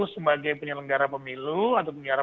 sebagai penyelenggara pemilu atau penyelenggara